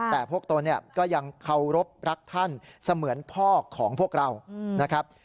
แต่พวกตนก็ยังเคารพรักท่านเสมือนพ่อของพวกเรานะครับ